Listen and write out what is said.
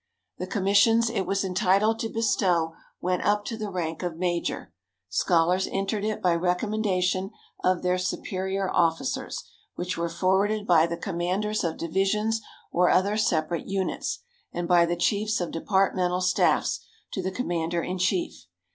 The commissions it was entitled to bestow went up to the rank of major. Scholars entered it by recommendation of their superior officers, which were forwarded by the commanders of divisions or other separate units, and by the chiefs of departmental staffs, to the commander in chief.